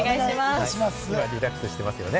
今日はリラックスしていますよね。